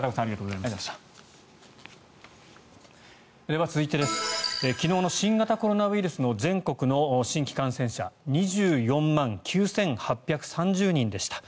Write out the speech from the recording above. では、続いて、昨日の新型コロナウイルスの全国の新規感染者２４万９８３０人でした。